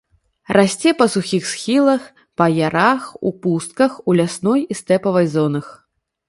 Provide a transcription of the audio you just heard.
Расце па сухіх схілах, па ярах ў пустках ў лясной і стэпавай зонах.